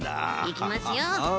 いきますよ。